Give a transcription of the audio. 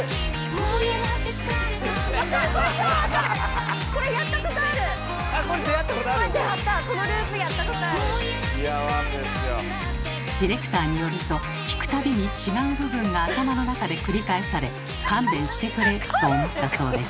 もう嫌だって疲れたんだってディレクターによると聞くたびに違う部分が頭の中で繰り返され「勘弁してくれ！」と思ったそうです。